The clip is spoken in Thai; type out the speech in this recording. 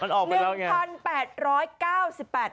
มันออกไปแล้วไง